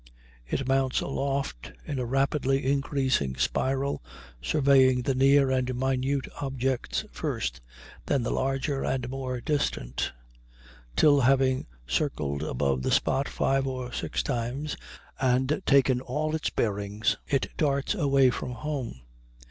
It mounts aloft in a rapidly increasing spiral, surveying the near and minute objects first, then the larger and more distant, till, having circled above the spot five or six times and taken all its bearings, it darts away for home.